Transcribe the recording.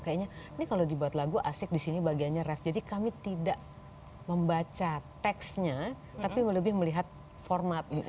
kayaknya ini kalau dibuat lagu asik disini bagiannya ref jadi kami tidak membaca teksnya tapi lebih melihat format